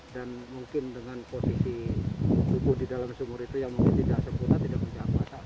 dan mungkin dengan posisi tubuh di dalam sumur itu yang mungkin tidak sempurna tidak menjaga kuasa